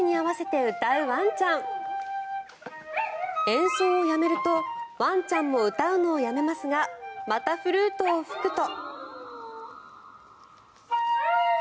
演奏をやめるとワンちゃんも歌うのをやめますがまたフルートを吹くと。